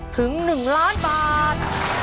ถึง๑ล้านบาท